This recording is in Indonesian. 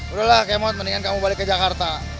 udahlah kemot mendingan kamu balik ke jakarta